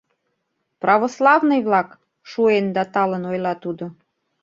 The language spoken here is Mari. — Православный-влак! — шуэн да талын ойла тудо.